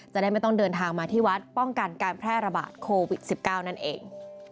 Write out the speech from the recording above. จะได้ไม่ต้องเดินทางมาที่วัดป้องกันการแพร่ระบาดโควิด๑๙นั่นเอง